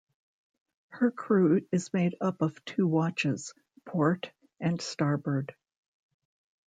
Her crew is made up of two watches, "Port" and "Starboard".